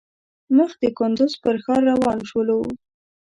مخ د کندوز پر ښار روان شولو.